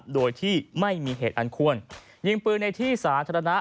โดยที่ไม่มีเหตุอันควรยิงปืนในที่สาธารณะ